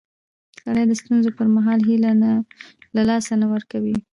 سړی د ستونزو پر مهال هیله له لاسه نه ورکوي